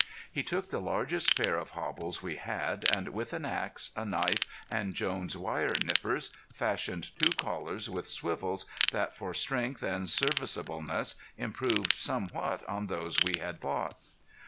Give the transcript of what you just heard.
He took the largest pair of hobbles we had, and with an axe, a knife and Jones' wire nippers, fashioned two collars with swivels that for strength and serviceableness improved somewhat on those we had bought.